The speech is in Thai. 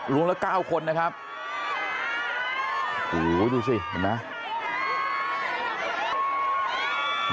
รวมละเก้าคนนะครับโอ้โหดูสิเห็นมั้ย